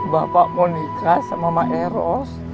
bapak mau nikah sama mbak eros